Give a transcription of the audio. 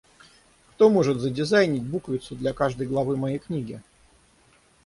Кто может задизайнить буквицу для каждой главы моей книги?